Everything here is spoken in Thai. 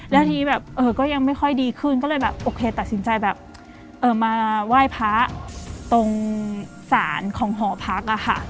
แล้วทีนี้แบบก็ยังไม่ค่อยดีขึ้นก็เลยแบบโอเคตัดสินใจแบบมาไหว้พระตรงศาลของหอพักอะค่ะ